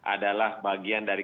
adalah bagian dari